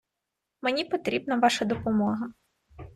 Мені потрібна ваша допомога.